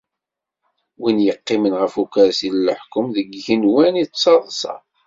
Win yeqqimen ɣef ukersi n leḥkem deg yigenwan ittaḍsa.